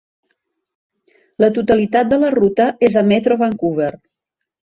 La totalitat de la ruta és a Metro Vancouver.